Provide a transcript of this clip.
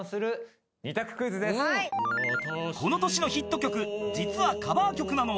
［この年のヒット曲実はカバー曲なのは？］